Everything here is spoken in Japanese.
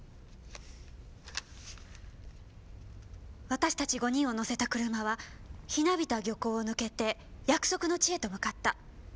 「私たち５人を乗せた車はひなびた漁港を抜けて約束の地へと向かった。